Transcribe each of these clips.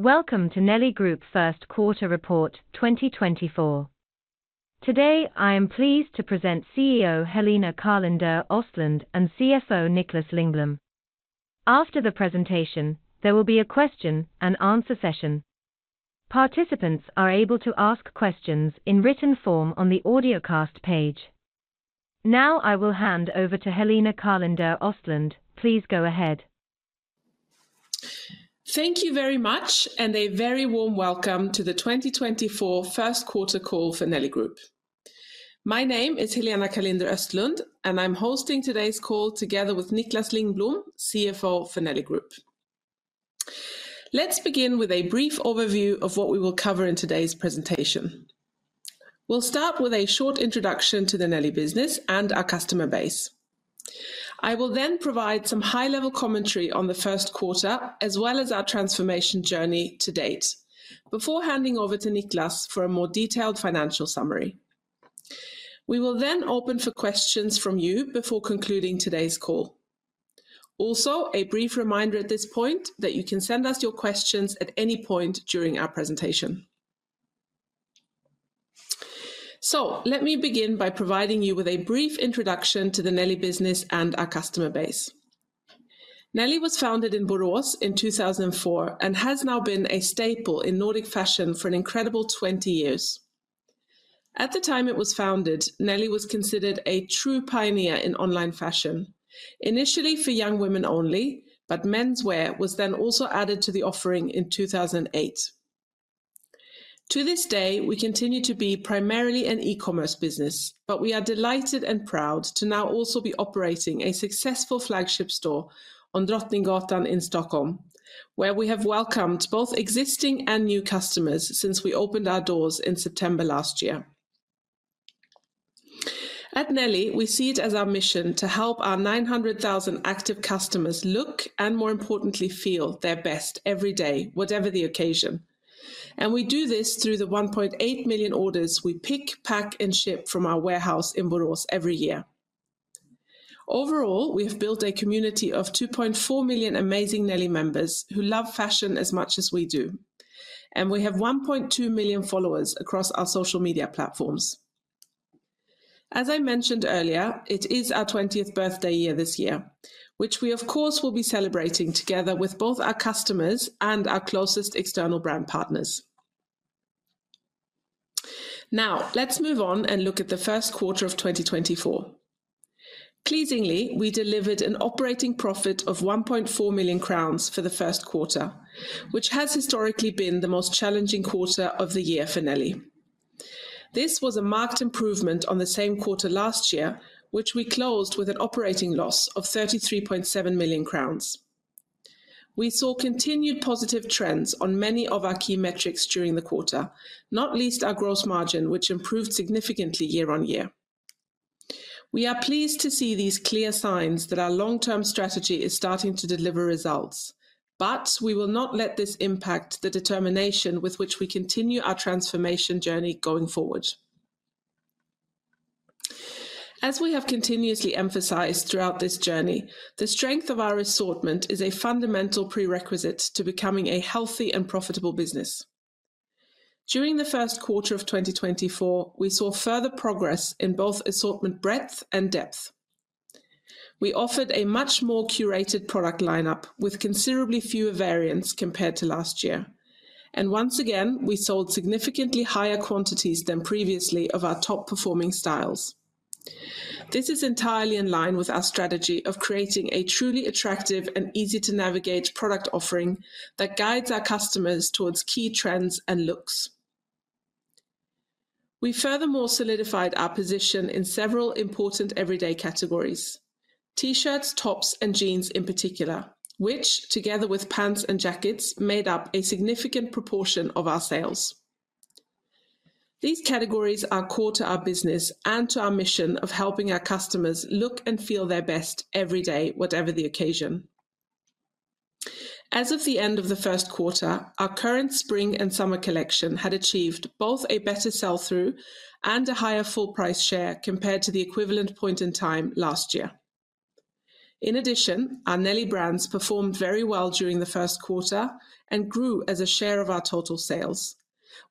Welcome to Nelly Group Q1 Report 2024. Today I am pleased to present CEO Helena Karlinder-Östlundh and CFO Niklas Lingblom. After the presentation there will be a question and answer session. Participants are able to ask questions in written form on the audiocast page. Now I will hand over to Helena Karlinder-Östlundh, please go ahead. Thank you very much and a very warm welcome to the 2024 Q1 Call for Nelly Group. My name is Helena Karlinder-Östlundh and I'm hosting today's call together with Niklas Lingblom, CFO for Nelly Group. Let's begin with a brief overview of what we will cover in today's presentation. We'll start with a short introduction to the Nelly business and our customer base. I will then provide some high-level commentary on the Q1 as well as our transformation journey to date, before handing over to Niklas for a more detailed financial summary. We will then open for questions from you before concluding today's call. Also, a brief reminder at this point that you can send us your questions at any point during our presentation. Let me begin by providing you with a brief introduction to the Nelly business and our customer base. Nelly was founded in Borås in 2004 and has now been a staple in Nordic fashion for an incredible 20 years. At the time it was founded, Nelly was considered a true pioneer in online fashion, initially for young women only, but menswear was then also added to the offering in 2008. To this day we continue to be primarily an e-commerce business, but we are delighted and proud to now also be operating a successful flagship store on Drottninggatan in Stockholm, where we have welcomed both existing and new customers since we opened our doors in September last year. At Nelly we see it as our mission to help our 900,000 active customers look, and more importantly feel, their best every day, whatever the occasion. We do this through the 1.8 million orders we pick, pack, and ship from our warehouse in Borås every year. Overall we have built a community of 2.4 million amazing Nelly members who love fashion as much as we do, and we have 1.2 million followers across our social media platforms. As I mentioned earlier, it is our 20th birthday year this year, which we of course will be celebrating together with both our customers and our closest external brand partners. Now, let's move on and look at the Q1 of 2024. Pleasingly we delivered an operating profit of 1.4 million crowns for the Q1, which has historically been the most challenging quarter of the year for Nelly. This was a marked improvement on the same quarter last year, which we closed with an operating loss of 33.7 million crowns. We saw continued positive trends on many of our key metrics during the quarter, not least our gross margin which improved significantly year-over-year. We are pleased to see these clear signs that our long-term strategy is starting to deliver results, but we will not let this impact the determination with which we continue our transformation journey going forward. As we have continuously emphasized throughout this journey, the strength of our assortment is a fundamental prerequisite to becoming a healthy and profitable business. During the Q1 of 2024 we saw further progress in both assortment breadth and depth. We offered a much more curated product lineup with considerably fewer variants compared to last year, and once again we sold significantly higher quantities than previously of our top-performing styles. This is entirely in line with our strategy of creating a truly attractive and easy-to-navigate product offering that guides our customers towards key trends and looks. We furthermore solidified our position in several important everyday categories, T-shirts, tops, and jeans in particular, which, together with pants and jackets, made up a significant proportion of our sales. These categories are core to our business and to our mission of helping our customers look and feel their best every day, whatever the occasion. As of the end of the Q1, our current spring and summer collection had achieved both a better sell-through and a higher full-price share compared to the equivalent point in time last year. In addition, our Nelly brands performed very well during the Q1 and grew as a share of our total sales,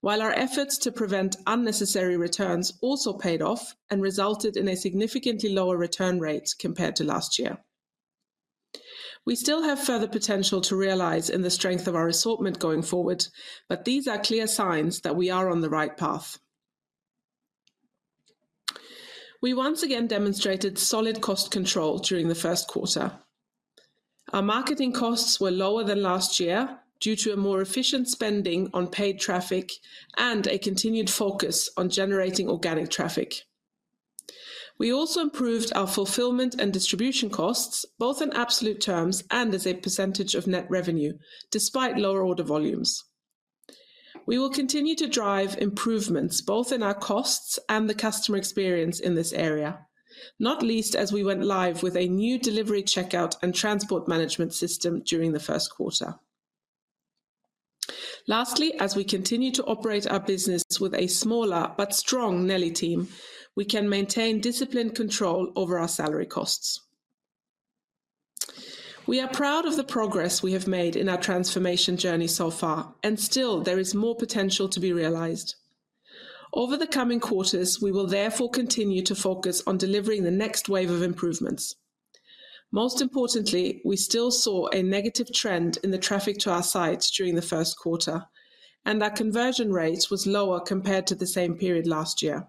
while our efforts to prevent unnecessary returns also paid off and resulted in a significantly lower return rate compared to last year. We still have further potential to realize in the strength of our assortment going forward, but these are clear signs that we are on the right path. We once again demonstrated solid cost control during the Q1. Our marketing costs were lower than last year due to a more efficient spending on paid traffic and a continued focus on generating organic traffic. We also improved our fulfillment and distribution costs, both in absolute terms and as a percentage of net revenue, despite lower order volumes. We will continue to drive improvements both in our costs and the customer experience in this area, not least as we went live with a new delivery checkout and transport management system during the Q1. Lastly, as we continue to operate our business with a smaller but strong Nelly team, we can maintain disciplined control over our salary costs. We are proud of the progress we have made in our transformation journey so far, and still there is more potential to be realized. Over the coming quarters we will therefore continue to focus on delivering the next wave of improvements. Most importantly, we still saw a negative trend in the traffic to our sites during the Q1, and our conversion rate was lower compared to the same period last year.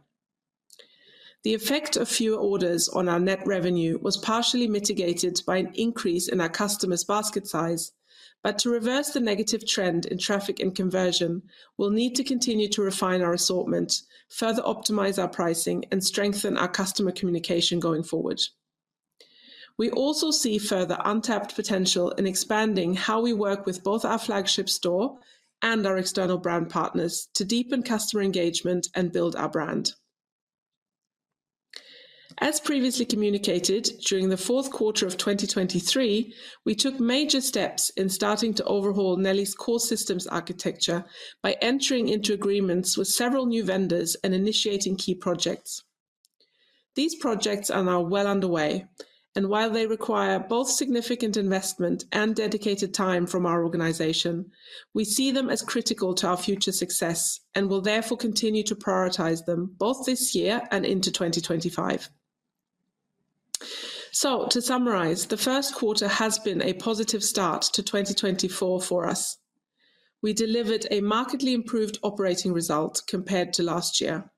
The effect of fewer orders on our net revenue was partially mitigated by an increase in our customers' basket size, but to reverse the negative trend in traffic and conversion we'll need to continue to refine our assortment, further optimize our pricing, and strengthen our customer communication going forward. We also see further untapped potential in expanding how we work with both our flagship store and our external brand partners to deepen customer engagement and build our brand. As previously communicated, during the Q4 of 2023 we took major steps in starting to overhaul Nelly's core systems architecture by entering into agreements with several new vendors and initiating key projects. These projects are now well underway, and while they require both significant investment and dedicated time from our organization, we see them as critical to our future success and will therefore continue to prioritize them both this year and into 2025. So to summarize, the Q1 has been a positive start to 2024 for us. We delivered a markedly improved operating result compared to last year,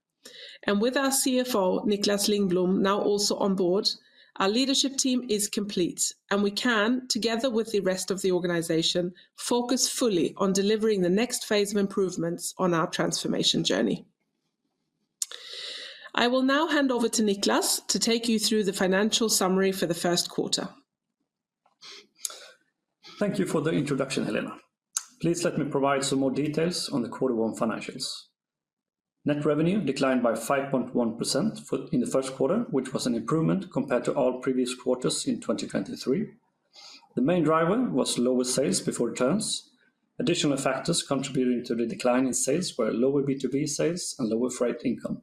and with our CFO Niklas Lingblom now also on board, our leadership team is complete and we can, together with the rest of the organization, focus fully on delivering the next phase of improvements on our transformation journey. I will now hand over to Niklas to take you through the financial summary for the Q1. Thank you for the introduction, Helena. Please let me provide some more details on the quarter one financials. Net revenue declined by 5.1% in the Q1, which was an improvement compared to all previous quarters in 2023. The main driver was lower sales before returns. Additional factors contributing to the decline in sales were lower B2B sales and lower freight income.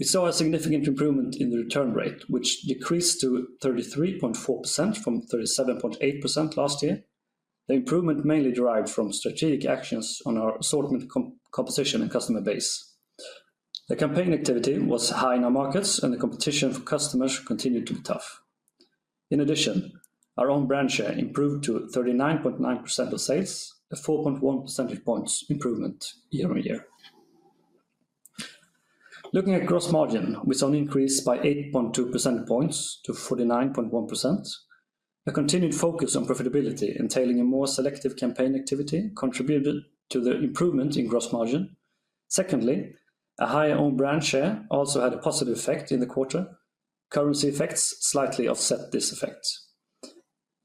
We saw a significant improvement in the return rate, which decreased to 33.4% from 37.8% last year. The improvement mainly derived from strategic actions on our assortment composition and customer base. The campaign activity was high in our markets and the competition for customers continued to be tough. In addition, our own brand share improved to 39.9% of sales, a 4.1 percentage points improvement year-on-year. Looking at gross margin, we saw an increase by 8.2 percentage points to 49.1%. A continued focus on profitability entailing a more selective campaign activity contributed to the improvement in gross margin. Secondly, a higher owned brand share also had a positive effect in the quarter. Currency effects slightly offset this effect.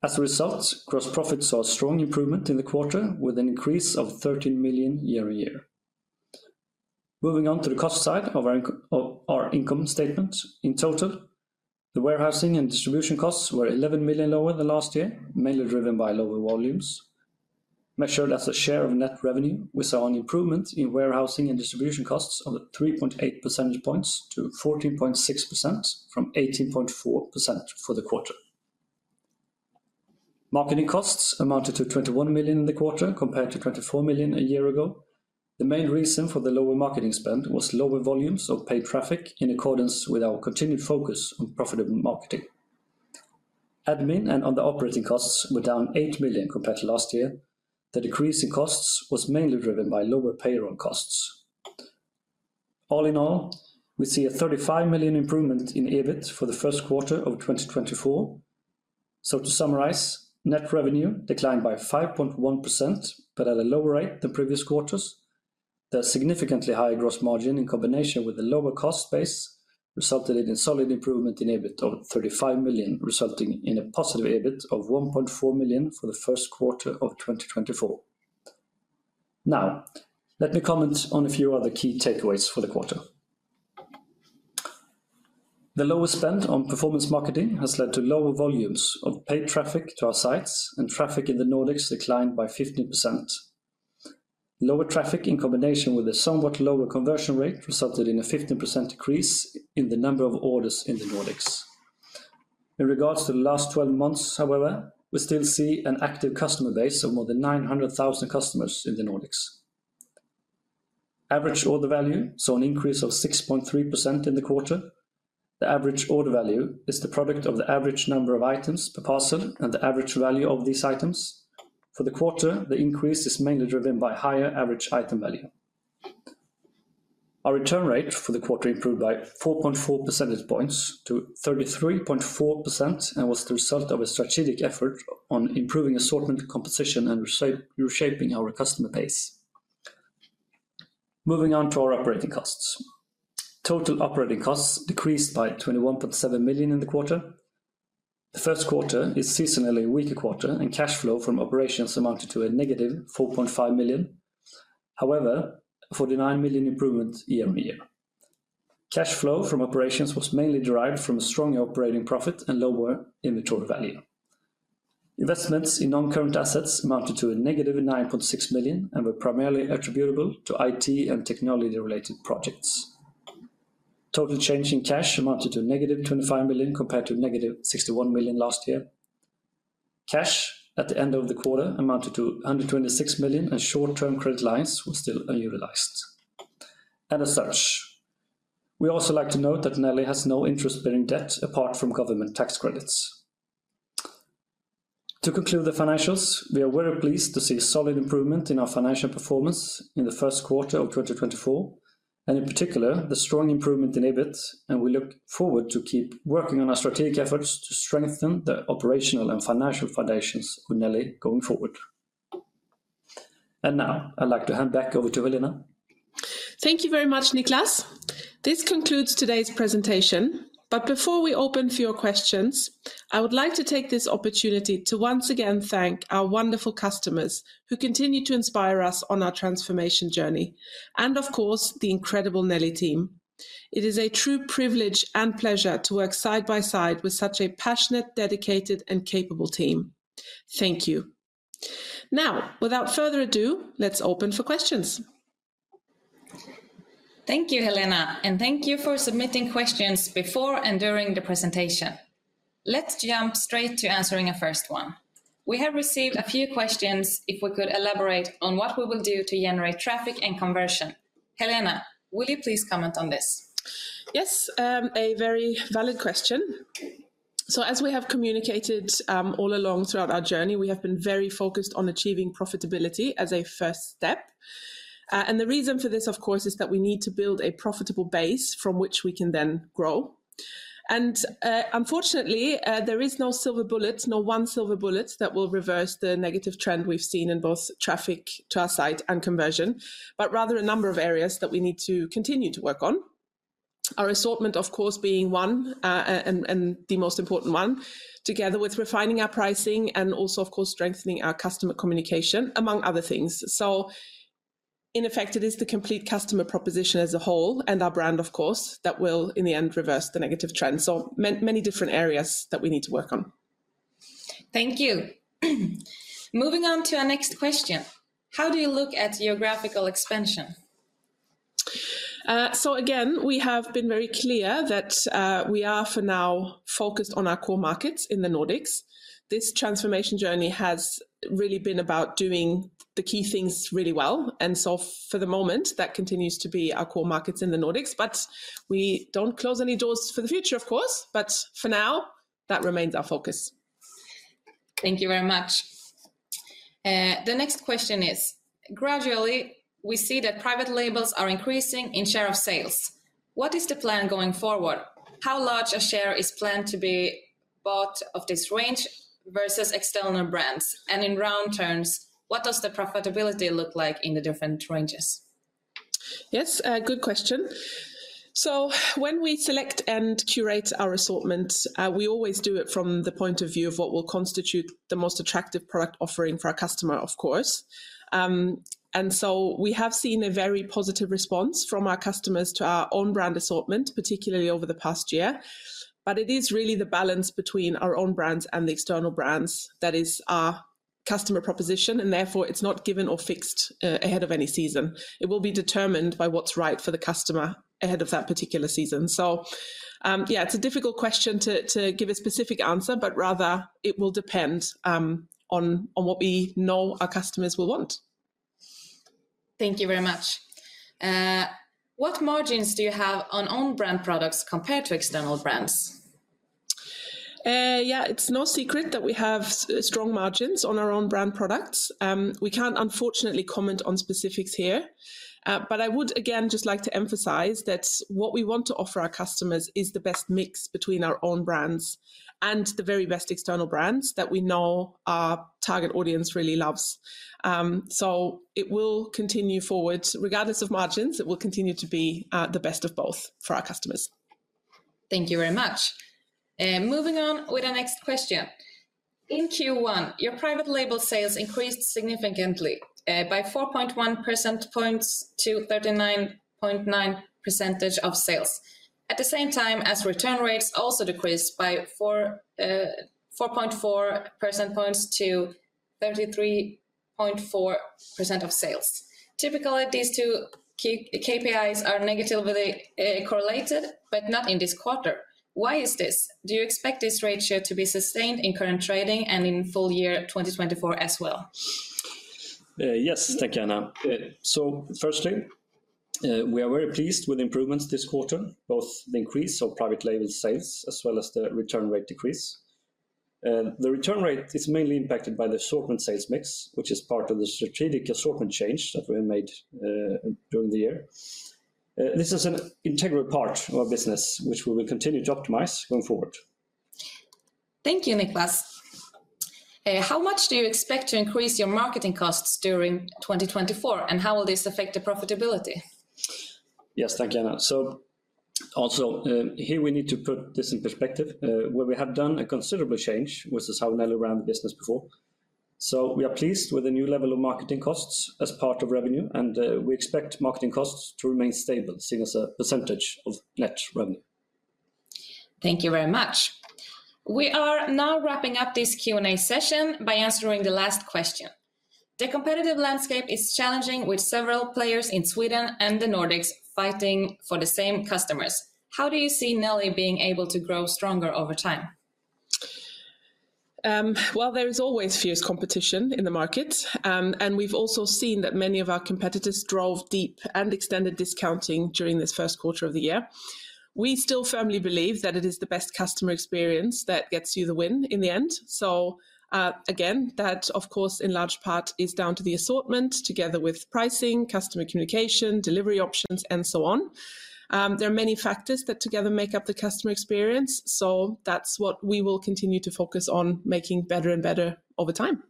As a result, gross profit saw a strong improvement in the quarter with an increase of 13 million year-on-year. Moving on to the cost side of our income statement, in total, the warehousing and distribution costs were 11 million lower than last year, mainly driven by lower volumes. Measured as a share of net revenue, we saw an improvement in warehousing and distribution costs of 3.8 percentage points to 14.6% from 18.4% for the quarter. Marketing costs amounted to 21 million in the quarter compared to 24 million a year ago. The main reason for the lower marketing spend was lower volumes of paid traffic in accordance with our continued focus on profitable marketing. Admin and other operating costs were down 8 million compared to last year. The decrease in costs was mainly driven by lower payroll costs. All in all, we see a 35 million improvement in EBIT for the Q1 of 2024. To summarize, net revenue declined by 5.1%, but at a lower rate than previous quarters. The significantly higher gross margin in combination with a lower cost base resulted in a solid improvement in EBIT of 35 million, resulting in a positive EBIT of 1.4 million for the Q1 of 2024. Now, let me comment on a few other key takeaways for the quarter. The lower spend on performance marketing has led to lower volumes of paid traffic to our sites and traffic in the Nordics declined by 15%. Lower traffic in combination with a somewhat lower conversion rate resulted in a 15% decrease in the number of orders in the Nordics. In regards to the last 12 months, however, we still see an active customer base of more than 900,000 customers in the Nordics. Average order value saw an increase of 6.3% in the quarter. The average order value is the product of the average number of items per parcel and the average value of these items. For the quarter, the increase is mainly driven by higher average item value. Our return rate for the quarter improved by 4.4 percentage points to 33.4% and was the result of a strategic effort on improving assortment composition and reshaping our customer base. Moving on to our operating costs. Total operating costs decreased by 21.7 million in the quarter. The Q1 is seasonally a weaker quarter and cash flow from operations amounted to -4.5 million. However, 49 million improvement year-on-year. Cash flow from operations was mainly derived from a stronger operating profit and lower inventory value. Investments in non-current assets amounted to -9.6 million and were primarily attributable to IT and technology-related projects. Total change in cash amounted to -25 million compared to -61 million last year. Cash at the end of the quarter amounted to 126 million and short-term credit lines were still unutilized. And as such, we also like to note that Nelly has no interest-bearing debt apart from government tax credits. To conclude the financials, we are very pleased to see a solid improvement in our financial performance in the Q1 of 2024, and in particular, the strong improvement in EBIT, and we look forward to keep working on our strategic efforts to strengthen the operational and financial foundations of Nelly going forward. And now, I'd like to hand back over to Helena. Thank you very much, Niklas. This concludes today's presentation, but before we open for your questions, I would like to take this opportunity to once again thank our wonderful customers who continue to inspire us on our transformation journey, and of course, the incredible Nelly team. It is a true privilege and pleasure to work side by side with such a passionate, dedicated, and capable team. Thank you. Now, without further ado, let's open for questions. Thank you, Helena, and thank you for submitting questions before and during the presentation. Let's jump straight to answering our first one. We have received a few questions if we could elaborate on what we will do to generate traffic and conversion. Helena, will you please comment on this? Yes, a very valid question. So as we have communicated all along throughout our journey, we have been very focused on achieving profitability as a first step. And the reason for this, of course, is that we need to build a profitable base from which we can then grow. And unfortunately, there is no silver bullet, no one silver bullet that will reverse the negative trend we've seen in both traffic to our site and conversion, but rather a number of areas that we need to continue to work on. Our assortment, of course, being one and the most important one, together with refining our pricing and also, of course, strengthening our customer communication, among other things. So in effect, it is the complete customer proposition as a whole and our brand, of course, that will in the end reverse the negative trend. So many different areas that we need to work on. Thank you. Moving on to our next question. How do you look at geographical expansion? So again, we have been very clear that we are for now focused on our core markets in the Nordics. This transformation journey has really been about doing the key things really well. And so for the moment, that continues to be our core markets in the Nordics. But we don't close any doors for the future, of course, but for now, that remains our focus. Thank you very much. The next question is, gradually, we see that private labels are increasing in share of sales. What is the plan going forward? How large a share is planned to be bought of this range versus external brands? And in round terms, what does the profitability look like in the different ranges? Yes, good question. So when we select and curate our assortment, we always do it from the point of view of what will constitute the most attractive product offering for our customer, of course. And so we have seen a very positive response from our customers to our own brand assortment, particularly over the past year. But it is really the balance between our own brands and the external brands that is our customer proposition, and therefore it's not given or fixed ahead of any season. It will be determined by what's right for the customer ahead of that particular season. So yeah, it's a difficult question to give a specific answer, but rather it will depend on what we know our customers will want. Thank you very much. What margins do you have on owned brand products compared to external brands? Yeah, it's no secret that we have strong margins on our own brand products. We can't unfortunately comment on specifics here. But I would again just like to emphasize that what we want to offer our customers is the best mix between our own brands and the very best external brands that we know our target audience really loves. So it will continue forward. Regardless of margins, it will continue to be the best of both for our customers. Thank you very much. Moving on with our next question. In Q1, your private label sales increased significantly by 4.1 percentage points to 39.9% of sales, at the same time as return rates also decreased by 4.4 percentage points to 33.4% of sales. Typically, these two KPIs are negatively correlated, but not in this quarter. Why is this? Do you expect this ratio to be sustained in current trading and in full year 2024 as well? Yes, thank you, Anna. So firstly, we are very pleased with improvements this quarter, both the increase of private label sales as well as the return rate decrease. The return rate is mainly impacted by the assortment sales mix, which is part of the strategic assortment change that we made during the year. This is an integral part of our business, which we will continue to optimize going forward. Thank you, Niklas. How much do you expect to increase your marketing costs during 2024, and how will this affect the profitability? Yes, thank you, Anna. So also here, we need to put this in perspective. What we have done is a considerable change, which is how Nelly ran the business before. So we are pleased with a new level of marketing costs as part of revenue, and we expect marketing costs to remain stable seen as a percentage of net revenue. Thank you very much. We are now wrapping up this Q&A session by answering the last question. The competitive landscape is challenging, with several players in Sweden and the Nordics fighting for the same customers. How do you see Nelly being able to grow stronger over time? Well, there is always fierce competition in the market, and we've also seen that many of our competitors drove deep and extended discounting during this Q1 of the year. We still firmly believe that it is the best customer experience that gets you the win in the end. So again, that, of course, in large part is down to the assortment together with pricing, customer communication, delivery options, and so on. There are many factors that together make up the customer experience. So that's what we will continue to focus on making better and better over time.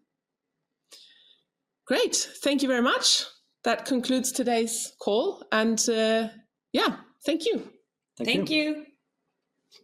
Great. Thank you very much. That concludes today's call. And yeah, thank you. Thank you. Thank you.